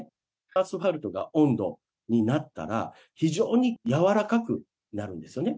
アスファルトが高度になったら非常にやわらかくなるんですよね。